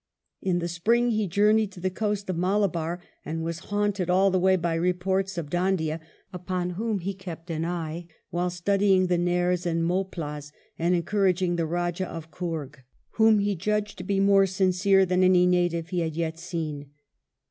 In the spring he journeyed to the coast of Malabar, and was haunted all the way by reports of Dhoondiah, upon whom he kept an eye, while studying the Nairs and Moplahs and encouraging the Eajah of Coorg, whom he judged to be more sincere than any native he had yet seen.